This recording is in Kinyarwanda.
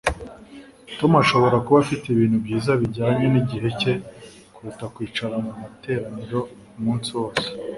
Tom ashobora kuba afite ibintu byiza bijyanye nigihe cye kuruta kwicara mumateraniro umunsi wose